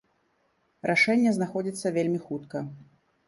Рашэнне знаходзіцца вельмі хутка.